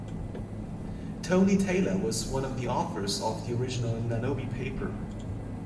Tony Taylor was one of the authors of the original nanobe paper.